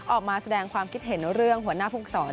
ออกมาแสดงความคิดเห็นเรื่องหัวหน้าภูกษร